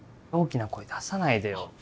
大きな声出さないでよ。